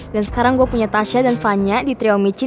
dan sekarang gue punya tasya dan vanya di trio micin